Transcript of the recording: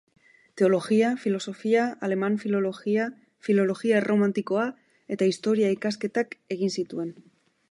Teologia, filosofia, aleman filologia, filologia erromanikoa eta historia-ikasketak egin zituen.